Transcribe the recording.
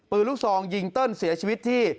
ปือลูกซองยิ้งตั้นเสียชีวิตที่